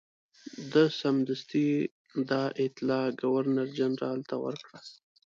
ده سمدستي دا اطلاع ګورنرجنرال ته ورکړه.